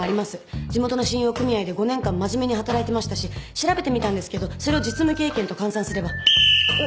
地元の信用組合で５年間真面目に働いてましたし調べてみたんですけどそれを実務経験と換算すれば。